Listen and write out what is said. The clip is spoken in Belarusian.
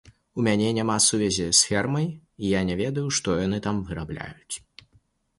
У мяне няма сувязі з фермай, і я не ведаю, што яны там вырабляюць.